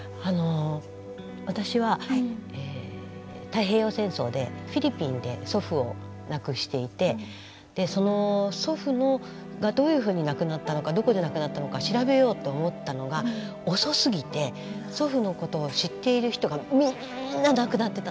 私は太平洋戦争でフィリピンで祖父を亡くしていてその祖父がどういうふうに亡くなったのかどこで亡くなったのか調べようと思ったのが遅すぎて祖父のことを知っている人がみんな亡くなってたんです。